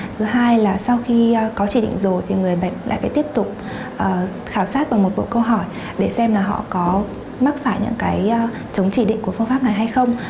thứ hai là sau khi có chỉ định rồi thì người bệnh lại phải tiếp tục khảo sát bằng một bộ câu hỏi để xem là họ có mắc phải những cái chống chỉ định của phương pháp này hay không